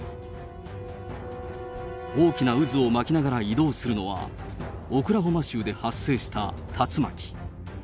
大きな渦を巻きながら移動するのは、オクラホマ州で発生した竜巻。